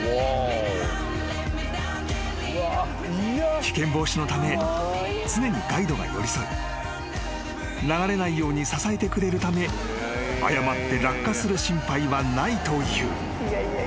［危険防止のため常にガイドが寄り添い流れないように支えてくれるため誤って落下する心配はないという］